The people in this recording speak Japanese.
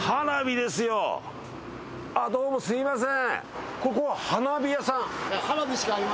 あっどうもすみません。